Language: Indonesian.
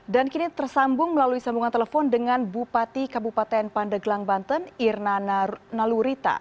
dan kini tersambung melalui sambungan telepon dengan bupati kabupaten pandeglang banten irna nalurita